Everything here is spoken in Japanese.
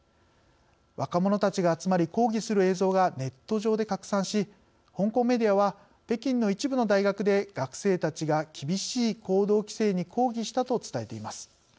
若者たちが集まり抗議する映像がネット上で拡散し香港メディアは北京の一部の大学で学生たちが厳しい行動規制に抗議したと伝えています。